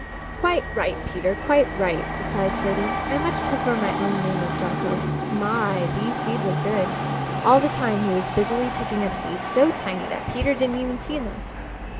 "Quite right, Peter, quite right," replied Slaty. "I much prefer my own name of Junco. My, these seeds are good!" All the time he was busily picking up seeds so tiny that Peter didn't even see them.